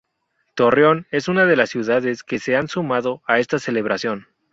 Torreón es una de las ciudades que se han sumado a esta celebración.